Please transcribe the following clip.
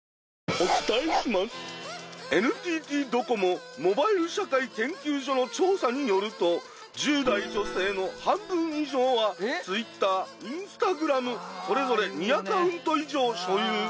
ＮＴＴドコモモバイル社会研究所の調査によると１０代女性の半分以上はＴｗｉｔｔｅｒＩｎｓｔａｇｒａｍそれぞれ２アカウント以上所有。